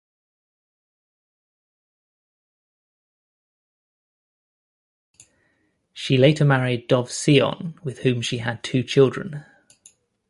She later married Dov Sion, with whom she had two children.